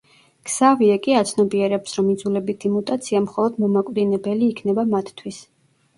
ქსავიე კი აცნობიერებს, რომ იძულებითი მუტაცია მხოლოდ მომაკვდინებელი იქნება მათთვის.